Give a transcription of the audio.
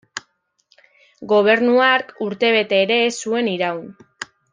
Gobernu hark urtebete ere ez zuen iraun.